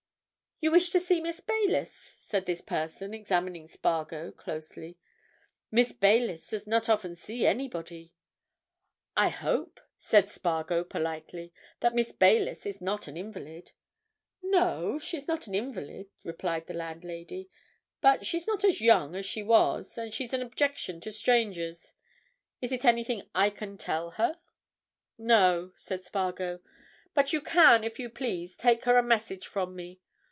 "You wish to see Miss Baylis?" said this person, examining Spargo closely. "Miss Baylis does not often see anybody." "I hope," said Spargo politely, "that Miss Baylis is not an invalid?" "No, she's not an invalid," replied the landlady; "but she's not as young as she was, and she's an objection to strangers. Is it anything I can tell her?" "No," said Spargo. "But you can, if you please, take her a message from me.